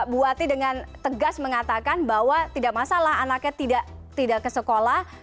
buati dengan tegas mengatakan bahwa tidak masalah anaknya tidak ke sekolah